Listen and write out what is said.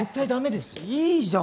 いいじゃん。